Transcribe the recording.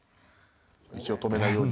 一応止めないようには。